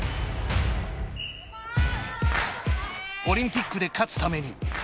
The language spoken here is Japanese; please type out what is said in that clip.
オリンピックで勝つために。